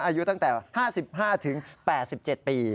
อายุตั้งแต่๕๕๘๗ปี